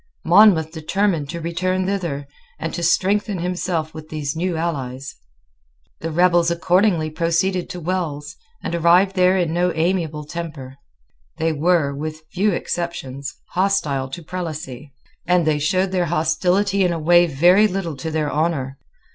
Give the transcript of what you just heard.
Monmouth determined to return thither, and to strengthen himself with these new allies. The rebels accordingly proceeded to Wells, and arrived there in no amiable temper. They were, with few exceptions, hostile to Prelacy; and they showed their hostility in a way very little to their honour.